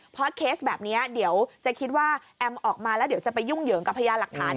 เพราะเคสแบบนี้เดี๋ยวจะคิดว่าแอมออกมาแล้วเดี๋ยวจะไปยุ่งเหยิงกับพยานหลักฐาน